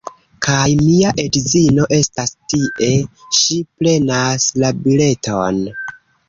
Kaj mia edzino estas tie, ŝi prenas la bileton